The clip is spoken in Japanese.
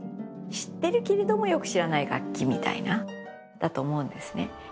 知ってるけれどもよく知らない楽器みたいな。だと思うんですね。